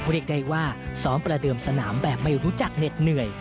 เรียกได้ว่าซ้อมประเดิมสนามแบบไม่รู้จักเหน็ดเหนื่อย